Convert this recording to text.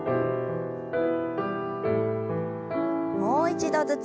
もう一度ずつ。